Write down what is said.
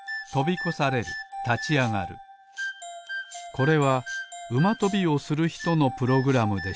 これはうまとびをするひとのプログラムでした。